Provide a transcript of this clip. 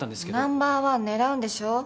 ナンバー１狙うんでしょ？